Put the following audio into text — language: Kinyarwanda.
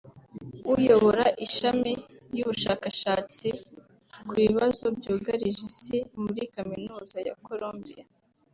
uyobora ishami ry’ubushakashatsi ku bibazo byugarije Isi muri Kaminuza ya Columbia